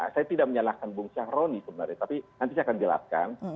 saya tidak menyalahkan bung syahroni sebenarnya tapi nanti saya akan jelaskan